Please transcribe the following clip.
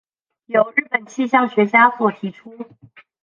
由日本气象学家所提出。